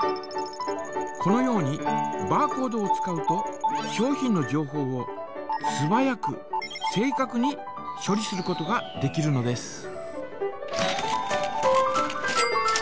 このようにバーコードを使うと商品の情報をすばやく正かくにしょ理することができるのです。